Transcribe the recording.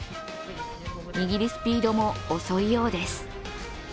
握るスピードも遅いようです。